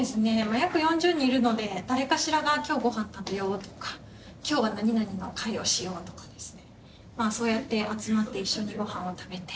約４０人いるので誰かしらが「今日ご飯食べよう」とか「今日は何々の会をしよう」とかですね。そうやって集まって一緒にご飯を食べて。